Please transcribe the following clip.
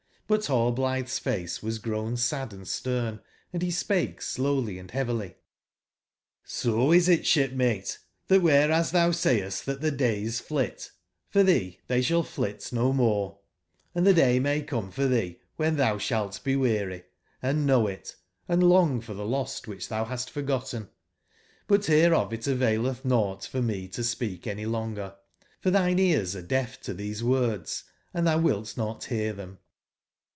But Rall blitbe's face was grown sad and stem, and be spake slowly & beavily : ''So is it, sbipmate, tbat wbereas tbou sayest tbat tbe days flit, for tbee tbey sball flit no more; & tbe day may come for tbeewben tbousbalt be weary, & know it, and long for tbe lost wbicb tbou bast forgotten. But bereof it availetb nougbt for me to speak any longer, for tbine ears are deaf to tbese words, and tbou wilt not bear tbem.